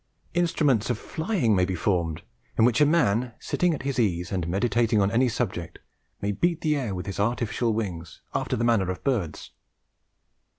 Instruments of flying may be formed, in which a man, sitting at his ease and meditating on any subject, may beat the air with his artificial wings, after the manner of birds.